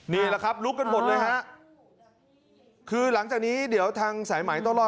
นี่แหละครับลุกกันหมดเลยฮะคือหลังจากนี้เดี๋ยวทางสายใหม่ต้องรอด